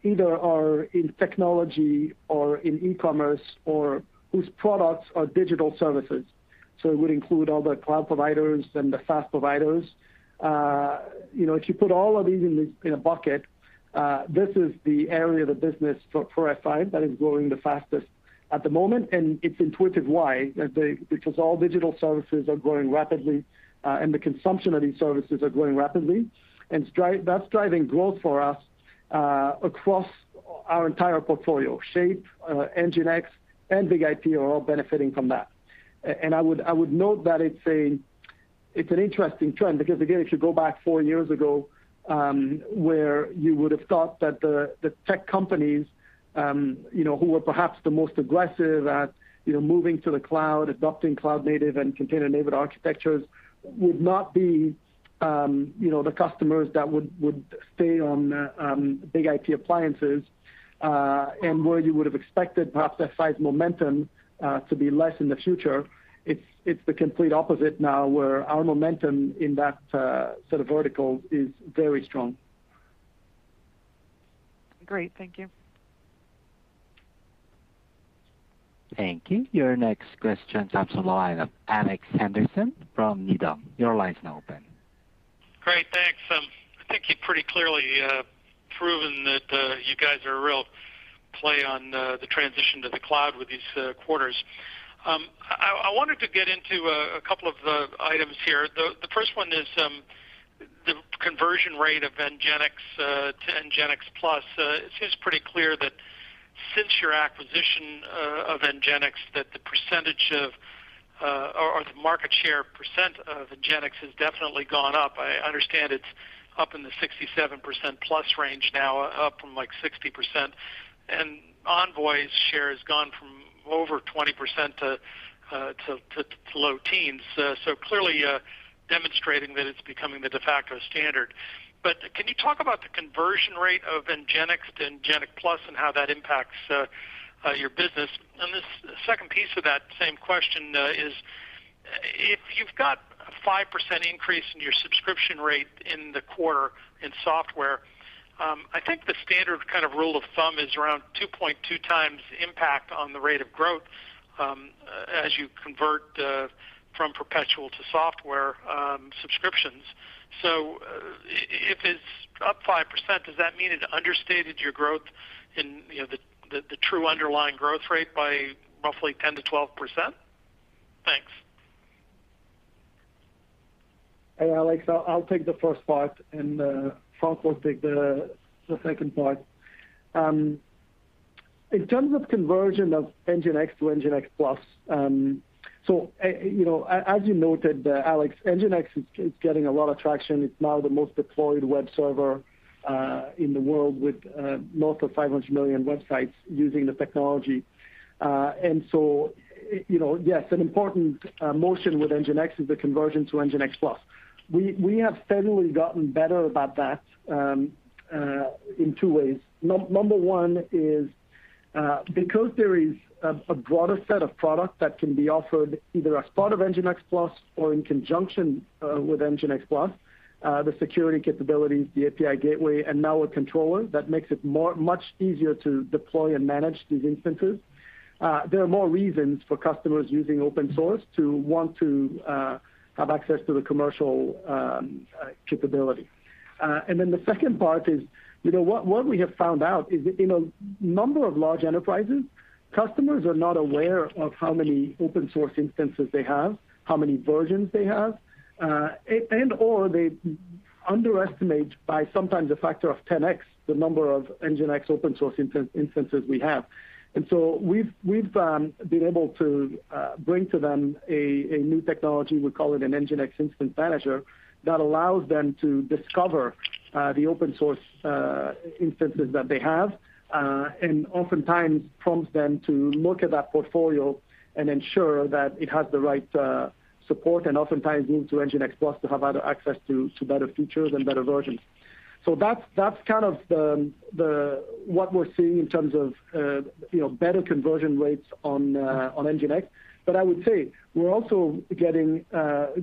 [SPEAKER 3] either are in technology or in e-commerce or whose products are digital services, so it would include all the cloud providers and the SaaS providers. If you put all of these in a bucket, this is the area of the business for F5 that is growing the fastest at the moment. It's intuitive why. All digital services are growing rapidly, and the consumption of these services are growing rapidly. That's driving growth for us across our entire portfolio. Shape, NGINX, and BIG-IP are all benefiting from that. I would note that it's an interesting trend because, again, if you go back four years ago, where you would've thought that the tech companies who were perhaps the most aggressive at moving to the cloud, adopting cloud native and container native architectures, would not be the customers that would stay on BIG-IP appliances, and where you would've expected perhaps F5 momentum to be less in the future. It's the complete opposite now, where our momentum in that sort of vertical is very strong.
[SPEAKER 9] Great. Thank you.
[SPEAKER 1] Thank you. Your next question comes on the line of Alex Henderson from Needham. Your line's now open.
[SPEAKER 10] Great. Thanks. I think you've pretty clearly proven that you guys are a real play on the transition to the cloud with these quarters. I wanted to get into a couple of items here. The first one is the conversion rate of NGINX to NGINX Plus. It seems pretty clear that since your acquisition of NGINX, that the market share percent of NGINX has definitely gone up. I understand it's up in the 67%-plus range now, up from like 60%. Envoy's share has gone from over 20% to low teens. Clearly demonstrating that it's becoming the de facto standard. Can you talk about the conversion rate of NGINX to NGINX Plus and how that impacts your business? The second piece of that same question is, if you've got a 5% increase in your subscription rate in the quarter in software, I think the standard rule of thumb is around 2.2 times impact on the rate of growth as you convert from perpetual to software subscriptions. If it's up 5%, does that mean it understated your growth in the true underlying growth rate by roughly 10%-12%? Thanks.
[SPEAKER 3] Hey, Alex. I'll take the first part, Frank will take the second part. In terms of conversion of NGINX to NGINX Plus, as you noted, Alex, NGINX is getting a lot of traction. It's now the most deployed web server in the world, with north of 500 million websites using the technology. Yes, an important motion with NGINX is the conversion to NGINX Plus. We have steadily gotten better about that in two ways. Number one is because there is a broader set of product that can be offered, either as part of NGINX Plus or in conjunction with NGINX Plus, the security capabilities, the API gateway, and now a controller that makes it much easier to deploy and manage these instances. There are more reasons for customers using open source to want to have access to the commercial capability. The second part is, what we have found out is in a number of large enterprises, customers are not aware of how many open source instances they have, how many versions they have, or they underestimate by sometimes a factor of 10x the number of NGINX open source instances we have. We've been able to bring to them a new technology, we call it an NGINX Instance Manager, that allows them to discover the open source instances that they have. Oftentimes prompts them to look at that portfolio and ensure that it has the right support and oftentimes into NGINX Plus to have other access to better features and better versions. That's what we're seeing in terms of better conversion rates on NGINX. I would say we're also getting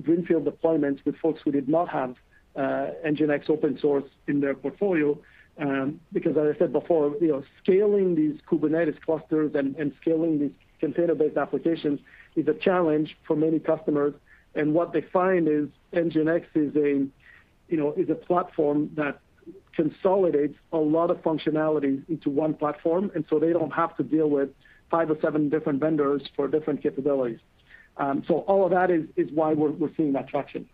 [SPEAKER 3] greenfield deployments with folks who did not have NGINX open source in their portfolio. As I said before, scaling these Kubernetes clusters and scaling these container-based applications is a challenge for many customers. What they find is NGINX is a platform that consolidates a lot of functionality into one platform, they don't have to deal with five or seven different vendors for different capabilities. All of that is why we're seeing that traction.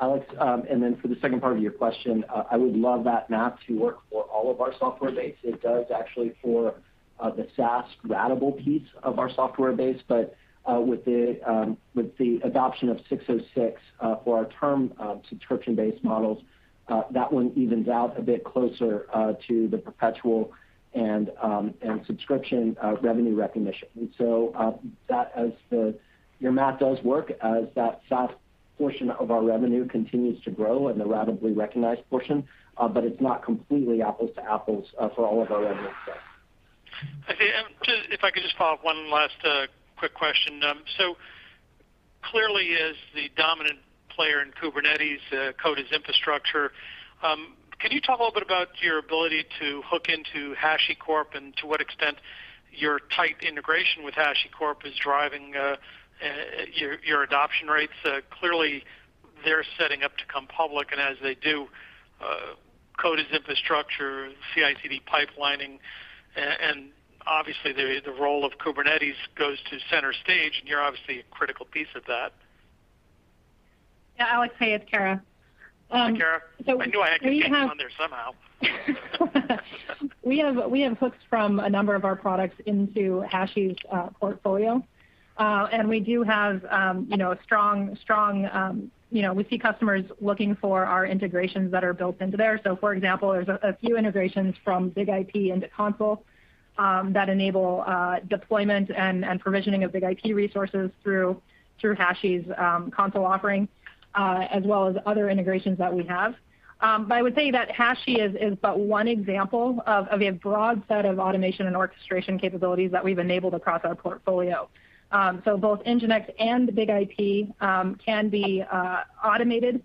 [SPEAKER 4] Alex, for the second part of your question, I would love that math to work for all of our software base. It does actually for the SaaS ratable piece of our software base, but with the adoption of 606 for our term subscription-based models, that one evens out a bit closer to the perpetual and subscription revenue recognition. Your math does work as that SaaS portion of our revenue continues to grow in the ratably recognized portion, but it's not completely apples to apples for all of our revenue sets.
[SPEAKER 10] If I could just follow up, one last quick question. Clearly as the dominant player in Kubernetes infrastructure-as-code, can you talk a little bit about your ability to hook into HashiCorp and to what extent your tight integration with HashiCorp is driving your adoption rates? Clearly they're setting up to come public and as they do, infrastructure-as-code, CI/CD pipelining, and obviously the role of Kubernetes goes to center stage, and you're obviously a critical piece of that.
[SPEAKER 11] Yeah, Alex, hey, it's Kara.
[SPEAKER 10] Hi, Kara. I knew I had you hanging on there somehow.
[SPEAKER 11] We have hooks from a number of our products into Hashi's portfolio. We see customers looking for our integrations that are built into theirs. For example, there's a few integrations from BIG-IP into Consul that enable deployment and provisioning of BIG-IP resources through Hashi's Consul offering, as well as other integrations that we have. I would say that Hashi is but one example of a broad set of automation and orchestration capabilities that we've enabled across our portfolio. Both NGINX and BIG-IP can be automated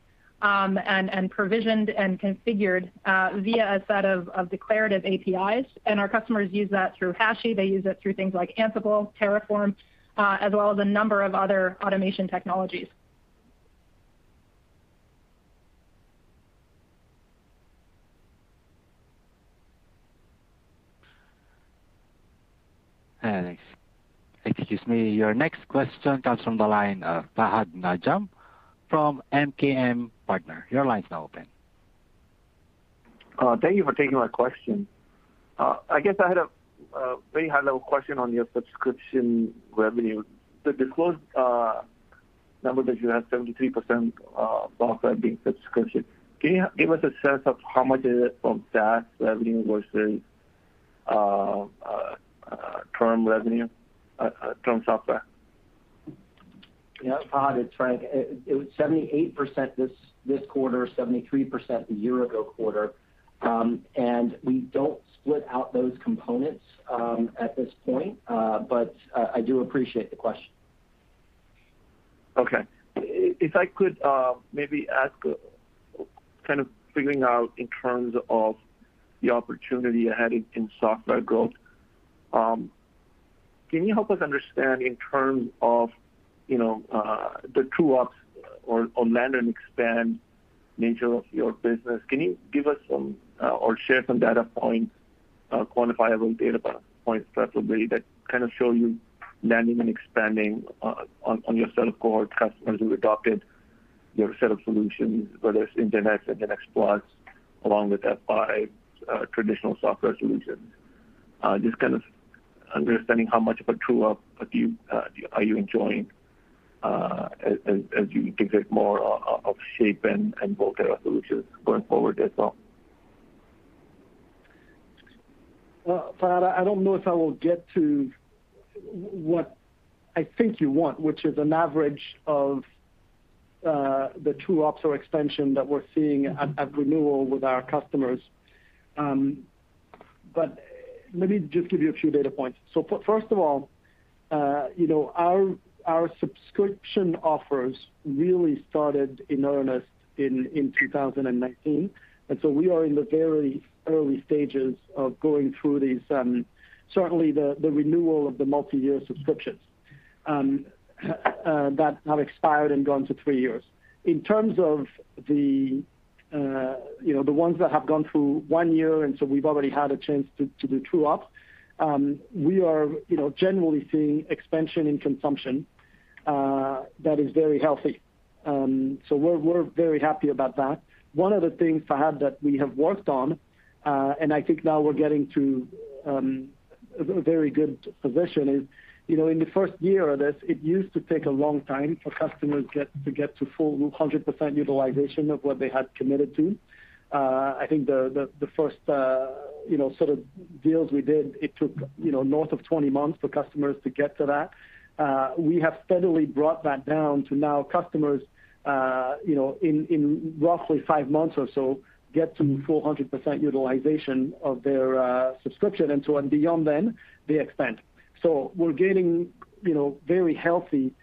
[SPEAKER 11] and provisioned and configured via a set of declarative APIs. Our customers use that through Hashi. They use it through things like Ansible, Terraform, as well as a number of other automation technologies.
[SPEAKER 1] Alex. Excuse me. Your next question comes from the line, Fahad Najam from MKM Partners. Your line's now open.
[SPEAKER 12] Thank you for taking my question. I guess I had a very high-level question on your subscription revenue. The disclosed number that you have, 73% software being subscription, can you give us a sense of how much is it from SaaS revenue versus term revenue, term software?
[SPEAKER 4] Fahad, it's Frank. It was 78% this quarter, 73% a year-ago quarter. We don't split out those components at this point. I do appreciate the question.
[SPEAKER 12] Okay. If I could maybe ask, kind of figuring out in terms of the opportunity ahead in software growth, can you help us understand in terms of the true-ups or land and expand nature of your business, can you give us some or share some data points, quantifiable data points preferably, that kind of show you landing and expanding on your set of core customers who adopted your set of solutions, whether it's NGINX Plus, along with F5 traditional software solutions? Just kind of understanding how much of a true-up are you enjoying as you take more of Shape and Volterra solutions going forward as well.
[SPEAKER 3] Fahad, I don't know if I will get to what I think you want, which is an average of the true-ups or expansion that we're seeing at renewal with our customers. Let me just give you a few data points. First of all, our subscription offers really started in earnest in 2019. We are in the very early stages of going through these, certainly the renewal of the multi-year subscriptions that have expired and gone to three years. In terms of the ones that have gone through one year, we've already had a chance to do true-ups, we are generally seeing expansion in consumption that is very healthy. We're very happy about that. One of the things, Fahad, that we have worked on, and I think now we're getting to a very good position, is in the first year of this, it used to take a long time for customers to get to full 100% utilization of what they had committed to. I think the first sort of deals we did, it took north of 20 months for customers to get to that. We have steadily brought that down to now customers in roughly five months or so get to full 100% utilization of their subscription. Beyond then, they expand. We're gaining very healthy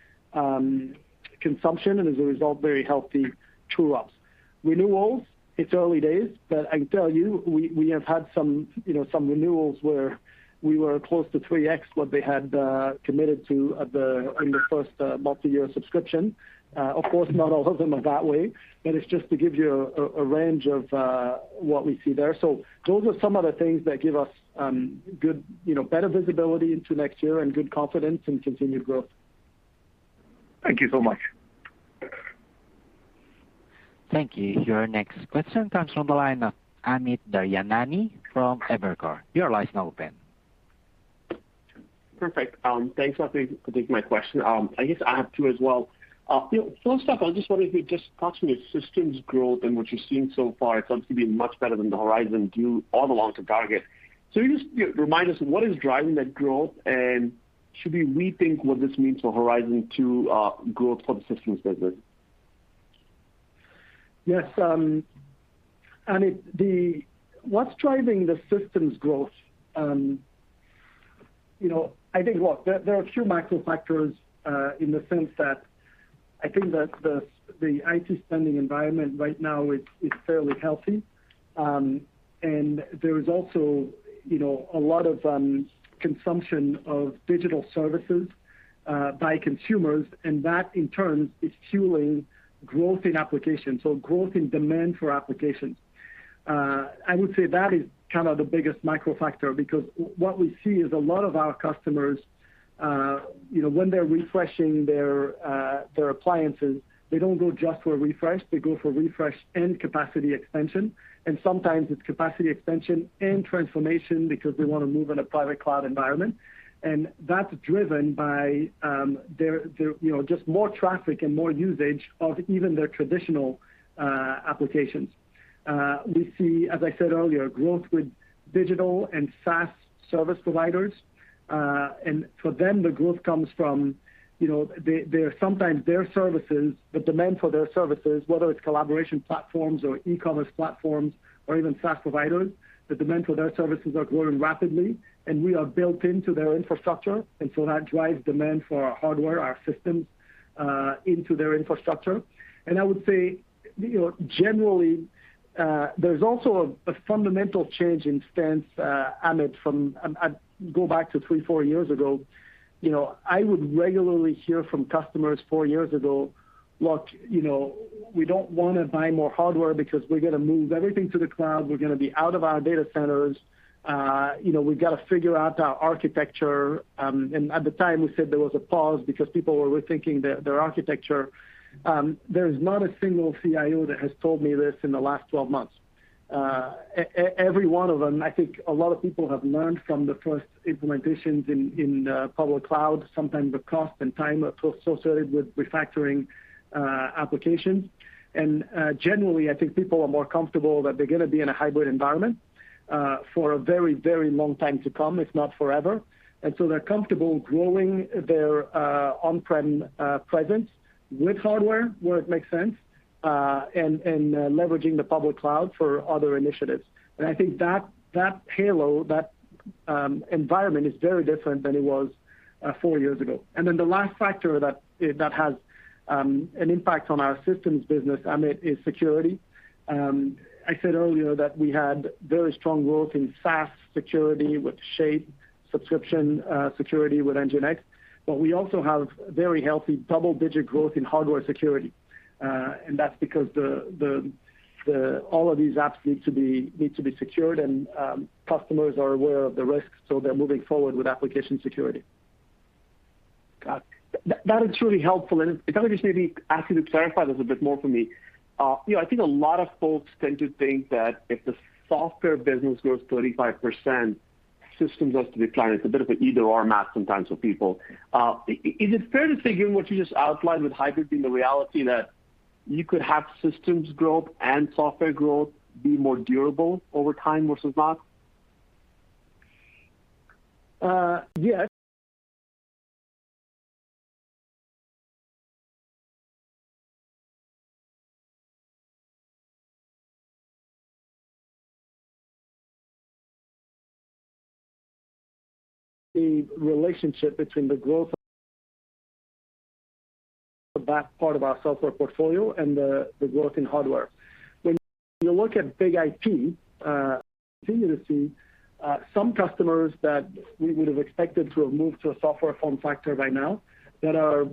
[SPEAKER 3] consumption and as a result, very healthy true ups. Renewals, it's early days, but I can tell you, we have had some renewals where we were close to 3x what they had committed to in the first multi-year subscription. Of course, not all of them are that way, but it's just to give you a range of what we see there. Those are some of the things that give us better visibility into next year and good confidence in continued growth.
[SPEAKER 12] Thank you so much.
[SPEAKER 1] Thank you. Your next question comes from the line, Amit Daryanani from Evercore. Your line is now open.
[SPEAKER 13] Perfect. Thanks for taking my question. I guess I have two as well. First off, I'm just wondering if you could just talk to me, systems growth and what you've seen so far, it seems to be much better than the Horizon 2 all the long-term target target. Can you just remind us what is driving that growth, and should we rethink what this means for Horizon 2 growth for the systems business?
[SPEAKER 3] Yes. Amit, what's driving the systems growth, I think, look, there are a few macro factors in the sense that I think that the IT spending environment right now is fairly healthy. There is also a lot of consumption of digital services by consumers, and that in turn is fueling growth in applications. Growth in demand for applications. I would say that is the biggest macro factor because what we see is a lot of our customers, when they're refreshing their appliances, they don't go just for refresh, they go for refresh and capacity extension. Sometimes it's capacity extension and transformation because they want to move in a private cloud environment. That's driven by just more traffic and more usage of even their traditional applications. We see, as I said earlier, growth with digital and SaaS service providers. For them, the growth comes from, sometimes their services, the demand for their services, whether it's collaboration platforms or e-commerce platforms or even SaaS providers, the demand for their services are growing rapidly, and we are built into their infrastructure. That drives demand for our hardware, our systems, into their infrastructure. I would say, generally, there's also a fundamental change in stance, Amit, from I'd go back to three to four years ago. I would regularly hear from customers four years ago, "Look, we don't want to buy more hardware because we're going to move everything to the cloud. We're going to be out of our data centers. We've got to figure out our architecture." At the time, we said there was a pause because people were rethinking their architecture. There is not a single CIO that has told me this in the last 12 months. Every one of them, I think a lot of people have learned from the first implementations in public cloud, sometimes the cost and time associated with refactoring applications. Generally, I think people are more comfortable that they're going to be in a hybrid environment for a very long time to come, if not forever. So they're comfortable growing their on-prem presence with hardware where it makes sense, and leveraging the public cloud for other initiatives. I think that halo, that environment is very different than it was four years ago. Then the last factor that has an impact on our systems business, Amit, is security. I said earlier that we had very strong growth in SaaS security with Shape, subscription security with NGINX, but we also have very healthy double-digit growth in hardware security. That's because all of these apps need to be secured, and customers are aware of the risks, so they're moving forward with application security.
[SPEAKER 13] Got it. If I could just maybe ask you to clarify this a bit more for me. I think a lot of folks tend to think that if the software business grows 35%, systems has to decline. It's a bit of an either/or math sometimes for people. Is it fair to say, given what you just outlined with hybrid being the reality that you could have systems growth and software growth be more durable over time versus not?
[SPEAKER 3] Yes. The relationship between the growth of that part of our software portfolio and the growth in hardware. When you look at BIG-IP, you continue to see some customers that we would have expected to have moved to a software form factor by now that are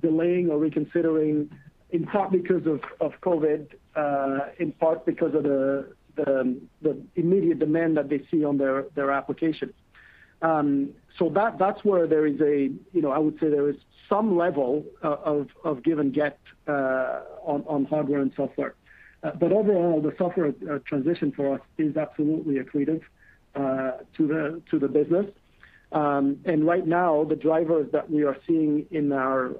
[SPEAKER 3] delaying or reconsidering, in part because of COVID, in part because of the immediate demand that they see on their applications. That's where I would say there is some level of give and get on hardware and software. Overall, the software transition for us is absolutely accretive to the business. Right now, the drivers that we are seeing in our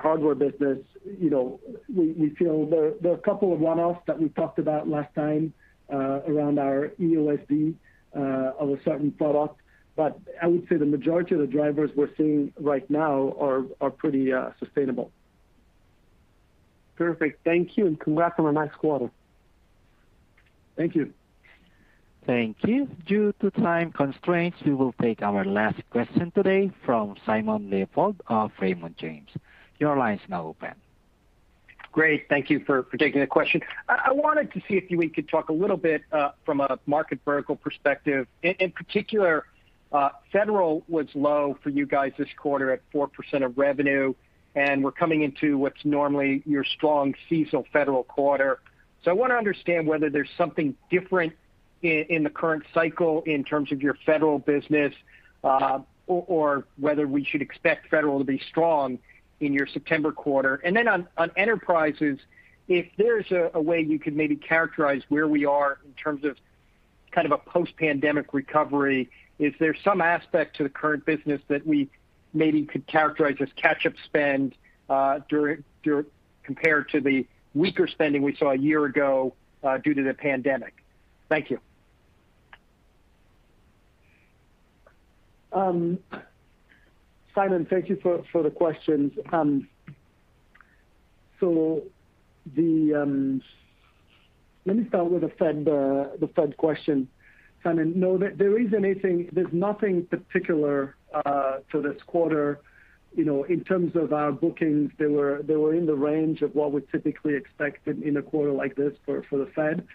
[SPEAKER 3] hardware business, we feel there are a couple of one-offs that we talked about last time around our EoL of a certain product. I would say the majority of the drivers we're seeing right now are pretty sustainable.
[SPEAKER 13] Perfect. Thank you, and congrats on a nice quarter.
[SPEAKER 3] Thank you.
[SPEAKER 1] Thank you. Due to time constraints, we will take our last question today from Simon Leopold of Raymond James. Your line is now open.
[SPEAKER 14] Great. Thank you for taking the question. I wanted to see if we could talk a little bit from a market vertical perspective. In particular, Federal was low for you guys this quarter at 4% of revenue, and we're coming into what's normally your strong seasonal Federal quarter. I want to understand whether there's something different in the current cycle in terms of your Federal business, or whether we should expect Federal to be strong in your September quarter. On enterprises, if there's a way you could maybe characterize where we are in terms of a post-pandemic recovery, is there some aspect to the current business that we maybe could characterize as catch-up spend compared to the weaker spending we saw a year ago due to the pandemic? Thank you.
[SPEAKER 3] Simon, thank you for the questions. Let me start with the Fed question. Simon, no, there's nothing particular to this quarter, in terms of our bookings, they were in the range of what we typically expected in a quarter like this for the Fed.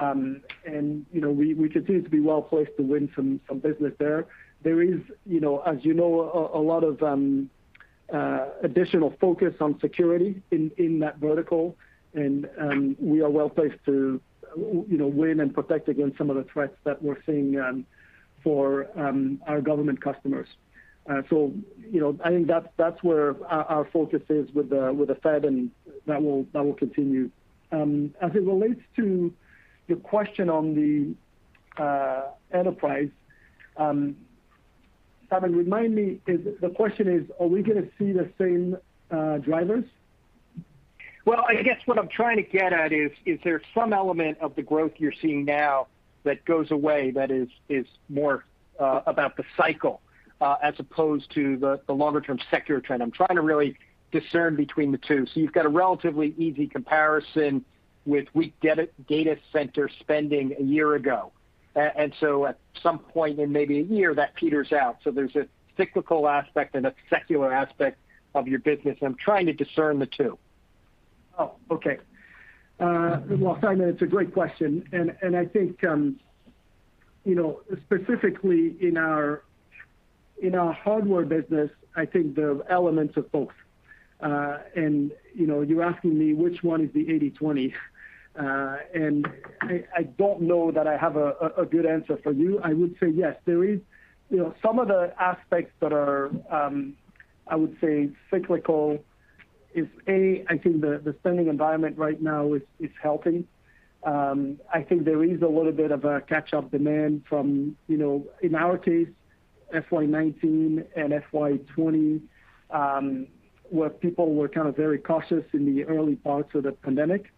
[SPEAKER 3] We continue to be well-placed to win some business there. There is, as you know, a lot of additional focus on security in that vertical, and we are well-placed to win and protect against some of the threats that we're seeing for our government customers. I think that's where our focus is with the Fed, and that will continue. As it relates to your question on the enterprise, Simon, remind me, the question is, are we going to see the same drivers?
[SPEAKER 14] Well, I guess what I'm trying to get at is there some element of the growth you're seeing now that goes away that is more about the cycle, as opposed to the longer-term secular trend? I'm trying to really discern between the two. You've got a relatively easy comparison with weak data center spending one year ago. At some point in maybe one year, that peters out. There's a cyclical aspect and a secular aspect of your business, and I'm trying to discern the two.
[SPEAKER 3] Oh, okay. Well, Simon, it's a great question. I think specifically in our hardware business, I think there are elements of both. You're asking me which one is the 80/20. I don't know that I have a good answer for you. I would say yes. Some of the aspects that are, I would say, cyclical is, A, I think the spending environment right now is healthy. I think there is a little bit of a catch-up demand from, in our case, FY 2019 and FY 2020, where people were kind of very cautious in the early parts of the pandemic.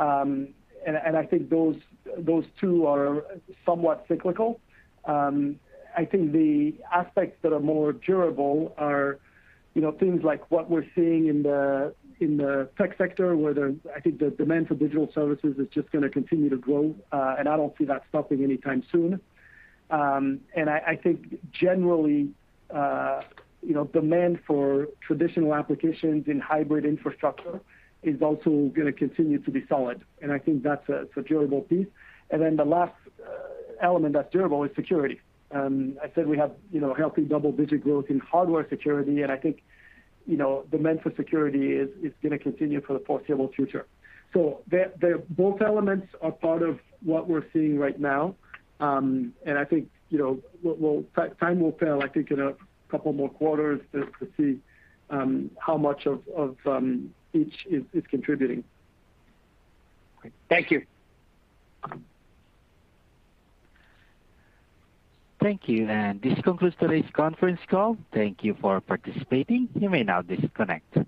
[SPEAKER 3] I think those two are somewhat cyclical. I think the aspects that are more durable are things like what we're seeing in the tech sector, where I think the demand for digital services is just going to continue to grow. I don't see that stopping anytime soon. I think generally, demand for traditional applications in hybrid infrastructure is also going to continue to be solid, and I think that's a durable piece. Then the last element that's durable is security. I said we have healthy double-digit growth in hardware security, and I think demand for security is going to continue for the foreseeable future. Both elements are part of what we're seeing right now. I think time will tell, I think in a couple more quarters, just to see how much of each is contributing.
[SPEAKER 14] Great. Thank you.
[SPEAKER 1] Thank you, this concludes today's conference call. Thank you for participating. You may now disconnect.